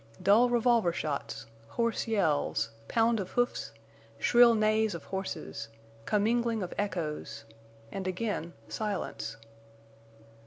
Dull revolver shots—hoarse yells—pound of hoofs—shrill neighs of horses—commingling of echoes—and again silence!